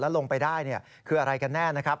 ลงไปได้คืออะไรกันแน่นะครับ